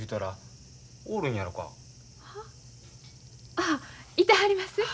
ああいてはります。